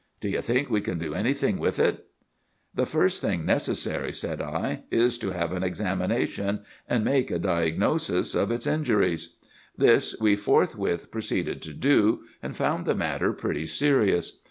Do you think we can do anything with it?' "'The first thing necessary,' said I, 'is to have an examination, and make a diagnosis of its injuries.' "This we forthwith proceeded to do, and found the matter pretty serious.